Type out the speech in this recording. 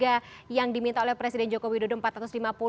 ada yang diminta oleh presiden joko widodo rp empat ratus lima puluh